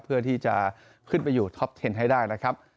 เพื่อที่จะขึ้นไปอยู่ท็อปเทนให้ได้นะครับ